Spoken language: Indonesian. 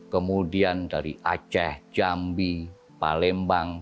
kemudian dari aceh jambi palembang